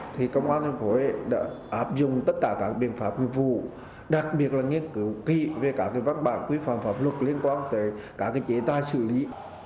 thì công an thành phố đã áp dụng tất cả các biện pháp quy vụ đặc biệt là nghiên cứu kỹ về các văn bản quy phạm pháp luật liên quan về các chế tài xử lý